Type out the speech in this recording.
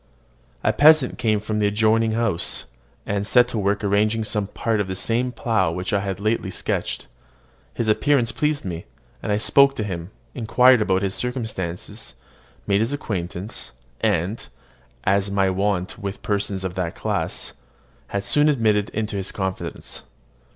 A peasant came from an adjoining house, and set to work arranging some part of the same plough which I had lately sketched. His appearance pleased me; and I spoke to him, inquired about his circumstances, made his acquaintance, and, as is my wont with persons of that class, was soon admitted into his confidence.